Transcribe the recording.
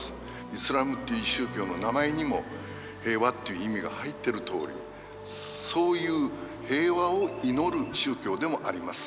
イスラームっていう宗教の名前にも平和っていう意味が入ってるとおりそういう平和を祈る宗教でもあります。